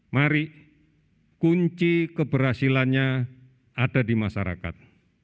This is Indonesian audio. mari kunci keberhasilannya ada di masyarakat